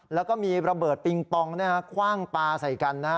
แล้วก็มีระเบิดปิงปองคว่างปลาใส่กัน